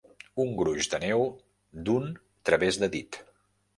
Un gruix de neu d'un través de dit.